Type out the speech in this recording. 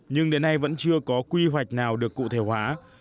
nhưng đến nay vẫn chưa có quy hoạch nào được cụ thể hóa